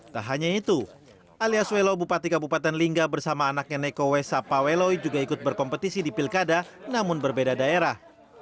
tak hanya itu alias welo bupati kabupaten lingga bersama anaknya neko wesa paweloi juga ikut berkompetisi di pilkada namun berbeda daerah